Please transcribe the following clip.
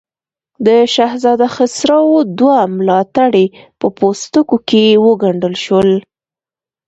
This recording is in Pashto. د شهزاده خسرو دوه ملاتړي په پوستکو کې وګنډل شول.